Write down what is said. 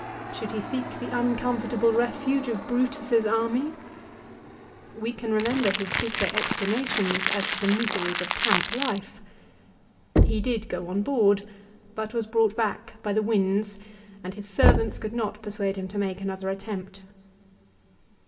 Should he seek the uncomfortable refuge of Brutus' s army ? "We can remember his bitter exclamations as to the miseries of camp life. He did go on board ; but was brought back by the winds and his servants could not persuade him to make another attempt.